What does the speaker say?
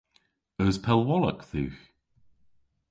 Eus pellwolok dhywgh?